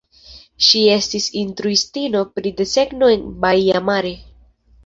Ŝi estis instruistino pri desegno en Baia Mare.